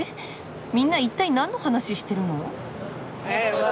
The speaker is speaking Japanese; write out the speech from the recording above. みんな一体なんの話してるの？